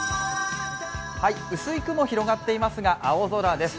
薄い雲、広がっていますが青空です。